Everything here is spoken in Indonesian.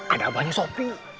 ada abahnya sopi